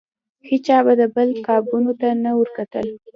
هیچا به د بل چا قابونو ته نه ورکتل.